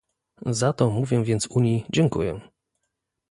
Za to mówię więc Unii "dziękuję"